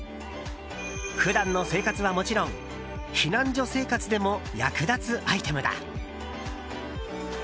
普段の生活はもちろん避難所生活でも役立つアイテムだ。